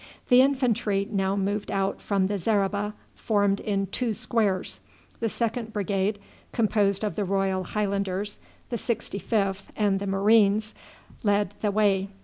The infantry now moved out from the zareba, formed in two squares. The second brigade, composed of the Royal Highlanders, the 65th, and the Marines, led the way.